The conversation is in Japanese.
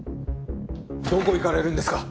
どこへ行かれるんですか？